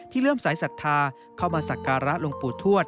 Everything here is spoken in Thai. เลื่อมสายศรัทธาเข้ามาสักการะหลวงปู่ทวด